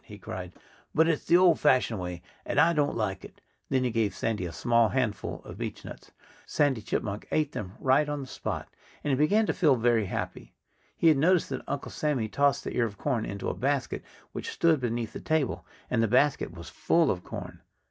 he cried. "But it's the old fashioned way; and I don't like it." Then he gave Sandy a small handful of beechnuts. Sandy Chipmunk ate them right on the spot. And he began to feel very happy. He had noticed that Uncle Sammy tossed the ear of corn into a basket which stood beneath the table. And the basket was full of corn.